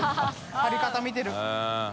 貼り方見てる。